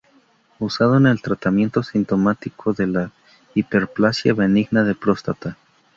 Usado en el tratamiento sintomático de la Hiperplasia benigna de próstata.